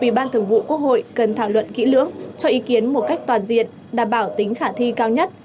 ủy ban thường vụ quốc hội cần thảo luận kỹ lưỡng cho ý kiến một cách toàn diện đảm bảo tính khả thi cao nhất